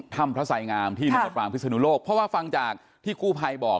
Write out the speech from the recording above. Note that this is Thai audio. ท่ำพระสัยงามที่นักกลางพฤษฐานุโลกเพราะว่าฟังจากที่ครูภัยบอก